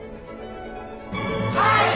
はい！